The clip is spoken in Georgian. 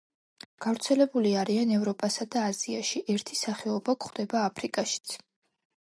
გავრცელებული არიან ევროპასა და აზიაში, ერთი სახეობა გვხვდება აფრიკაშიც.